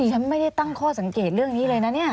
ฉันไม่ได้ตั้งข้อสังเกตเรื่องนี้เลยนะเนี่ย